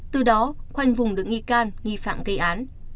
từ đó khoanh vùng được nghi can nghi phạm gây án